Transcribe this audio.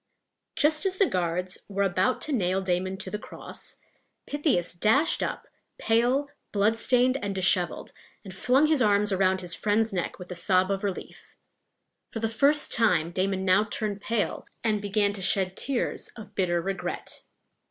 Just as the guards were about to nail Damon to the cross, Pythias dashed up, pale, bloodstained, and disheveled, and flung his arms around his friend's neck with a sob of relief. For the first time Damon now turned pale, and began to shed tears of bitter regret.